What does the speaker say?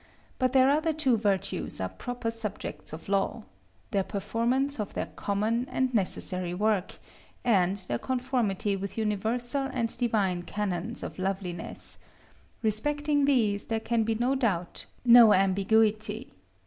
But their other two virtues are proper subjects of law, their performance of their common and necessary work, and their conformity with universal and divine canons of loveliness: respecting these there can be no doubt, no ambiguity.